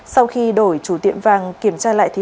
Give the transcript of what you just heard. sau khi đổi chủ tiệm vàng kiểm tra lại